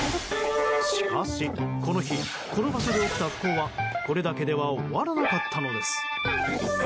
しかし、この日この場所で起きた不幸はこれだけでは終わらなかったのです。